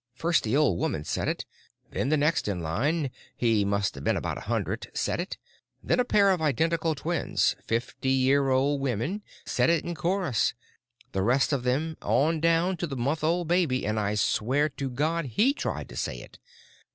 First the old woman said it. Then the next in line—he must be about a hundred—said it. Then a pair of identical twins, fifty year old women, said it in chorus. Then the rest of them on down to the month old baby, and I swear to God he tried to say it.